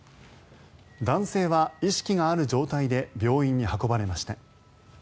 男性は意識がある状態で病院に運ばれました。